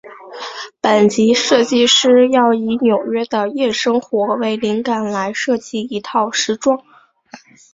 本集设计师要以纽约的夜生活为灵感来设计一套时装。